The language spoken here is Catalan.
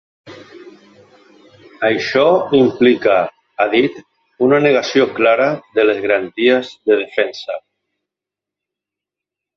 Això implica, ha dit, ‘una negació clara de les garanties de defensa’.